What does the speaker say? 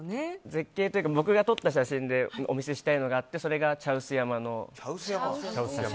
絶景というか僕が撮った写真でお見せしたいのがあってそれが、茶臼山の。